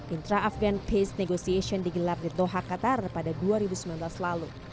intra afgan peace negosiation digelar di doha qatar pada dua ribu sembilan belas lalu